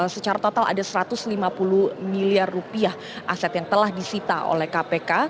secara total ada satu ratus lima puluh miliar rupiah aset yang telah disita oleh kpk